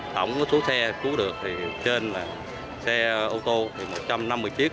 tổng số xe cứu được thì trên là xe ô tô thì một trăm năm mươi chiếc